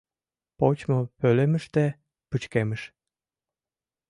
Почмо пӧлемыште пычкемыш.